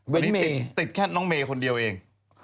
วันนี้ติดแค่น้องเมย์คนเดียวเอง